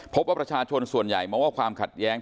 พบว่าประชาชนส่วนใหญ่มองว่าความขัดแย้ง